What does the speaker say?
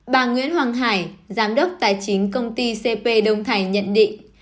bà nguyễn hoàng hải giám đốc tài chính công ty cp đông thành nhận định